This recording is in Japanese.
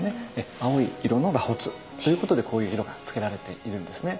青い色の螺髪ということでこういう色がつけられているんですね。